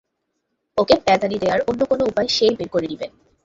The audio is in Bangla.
ওকে প্যাদানি দেয়ার অন্য কোনো উপায় সেই বের করেই নেবে।